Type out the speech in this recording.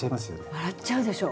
笑っちゃうでしょ？